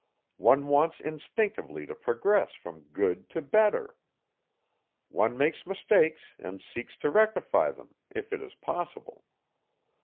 One wants instinctively to progress from good to better. One makes mistakes and seeks to rectify them if it is possible.